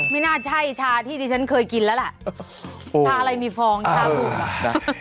ไม่น่าใช่ชาที่ดิฉันเคยกินแล้วล่ะชาอะไรมีฟองชาบูล่ะ